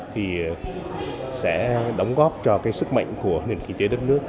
thì sẽ đóng góp cho cái sức mạnh của nền kinh tế đất nước